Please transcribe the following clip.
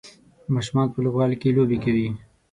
ماشومان په لوبغالي کې لوبې کوي.